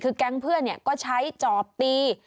คือกลางเพื่อนเนี่ยก็ใช้จอบตี